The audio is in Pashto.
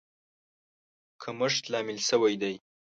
کمښت لامل شوی دی.